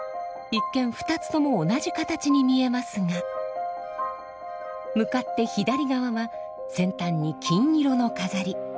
一見２つとも同じ形に見えますが向かって左側は先端に金色の飾り。